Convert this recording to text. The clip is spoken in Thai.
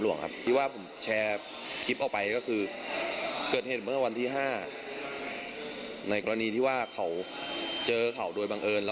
แล้วผมก็ตัดปุ๊บไว้ตามที่ที่ไปในโรงโฟเซียล